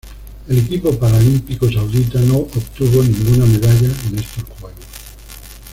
El equipo paralímpico saudita no obtuvo ninguna medalla en estos Juegos.